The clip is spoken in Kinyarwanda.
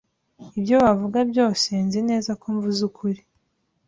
Ibyo wavuga byose, nzi neza ko mvuze ukuri.